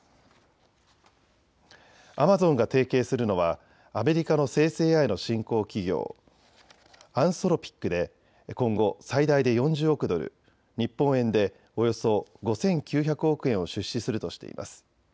アマゾンが提携するのはアメリカの生成ＡＩの新興企業、アンソロピックで今後、最大で４０億ドル日本円でおよそ５９００億円を出資するとしています。